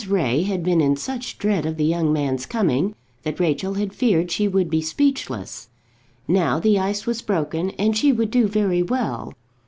Ray had been in such dread of the young man's coming, that Rachel had feared she would be speechless. Now the ice was broken, and she would do very well.